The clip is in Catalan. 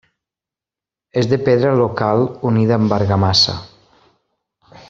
És de pedra local unida amb argamassa.